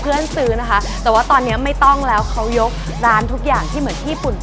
ซื้อนะคะแต่ว่าตอนนี้ไม่ต้องแล้วเขายกร้านทุกอย่างที่เหมือนญี่ปุ่น